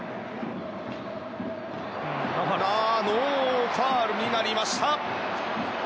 ノーファウルになりました。